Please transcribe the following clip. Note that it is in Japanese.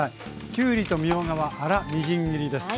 きゅうりとみょうがは粗みじん切りです。